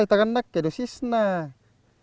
seharga tidak terlalu banyak